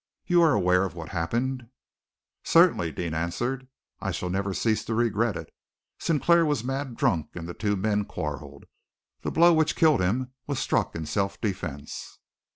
You are aware of what happened?" "Certainly," Deane answered. "I shall never cease to regret it. Sinclair was mad drunk and the two men quarrelled. The blow which killed him was struck in self defence."